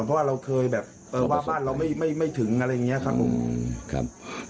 เพราะว่าเราเคยแบบว่าบ้านเราไม่ถึงอะไรอย่างนี้ครับผมครับ